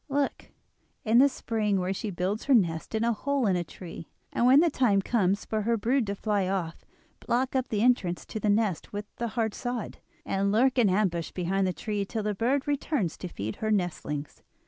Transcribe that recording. Look, in the spring, where she builds her nest in a hole in a tree, and when the time comes for her brood to fly off block up the entrance to the nest with a hard sod, and lurk in ambush behind the tree till the bird returns to feed her nestlings.